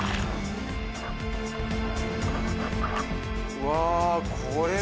うわこれは。